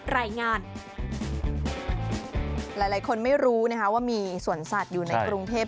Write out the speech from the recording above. หลายคนไม่รู้นะคะว่ามีสวนสัตว์อยู่ในกรุงเทพ